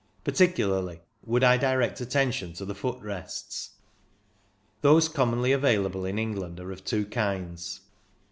Particularly would I direct attention to the foot rests. Those commonly available in England are of two kinds.